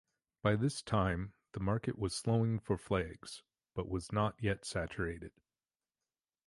By this time the market was slowing for flags, but was not yet saturated.